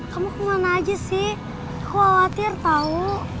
kamu kemana aja sih khawatir tau